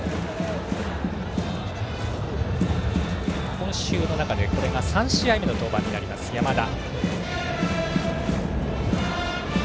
今週の中でこれが３試合目の登板になる山田。